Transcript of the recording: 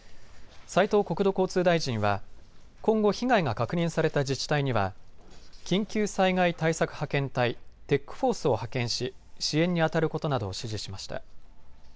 斉藤国土交通大臣は、今後、被害が確認された自治体には、緊急災害対策派遣隊・ＴＥＣーＦＯＲＣＥを派遣し支援にあたることなどを指示しました。